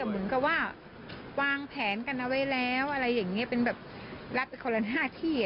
เหมือนกับว่าวางแผนกันเอาไว้แล้วอะไรอย่างนี้เป็นแบบรับไปคนละ๕ที่